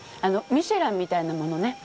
『ミシュラン』みたいなものね。